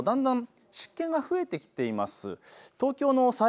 というのもだんだん湿気が増えてきています。